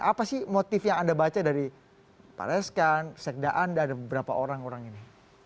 apa sih motif yang anda baca dari pak reskan sekda anda dan beberapa orang orang ini